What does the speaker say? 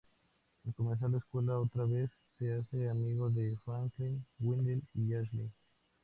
Al comenzar la escuela otra vez, se hace amigo de Franklin, Wendell, y Ashley.